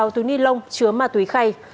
hai mươi sáu túi ni lông chứa ma túy khay